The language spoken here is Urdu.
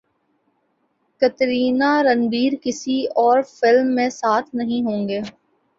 کترینہ رنبیر کسی اور فلم میں ساتھ نہیں ہوں گے